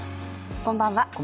こんばんは。